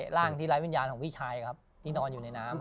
ร่างที่ไร้วิญญาณของพี่ชายครับที่นอนอยู่ในน้ำ